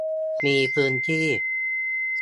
มีพื้นที่